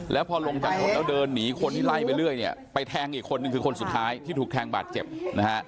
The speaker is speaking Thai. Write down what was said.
แล้วพอลงจากรถแล้วเดินหนีคนที่ไล่ไปเรื่อยเนี่ยไปแทงอีกคนนึงคือคนสุดท้ายที่ถูกแทงบาดเจ็บนะฮะ